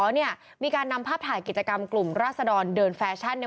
เราไม่ไป